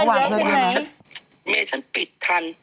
วันนี้มี่ฉันปิดทัน